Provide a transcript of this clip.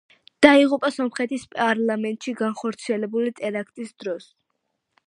დაიღუპა სომხეთის პარლამენტში განხორციელებული ტერაქტის დროს.